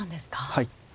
はい。